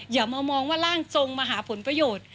อย่ามามองว่าร่างทรงมาหาผลประโยชน์